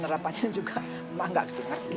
nerapannya juga mak nggak gitu ngerti